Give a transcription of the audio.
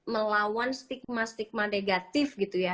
melawan stigma stigma negatif gitu ya